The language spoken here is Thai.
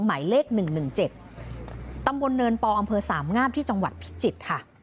หมายเลข๑๑๗ตำบลเนินปออำเภอสามงามที่จังหวัดพิจิตรค่ะ